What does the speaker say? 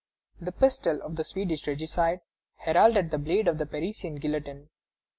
The pistol of the Swedish regicide heralded the blade of the Parisian guillotine.